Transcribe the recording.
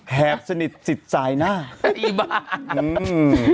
แหบสนิทสิทธิ์ใจน่ะอีบ้าอืม